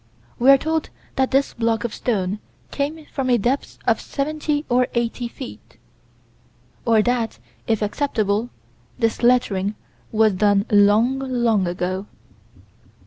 We are told that this block of stone came from a depth of seventy or eighty feet or that, if acceptable, this lettering was done long, long ago.